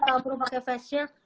kalau perlu pakai face shield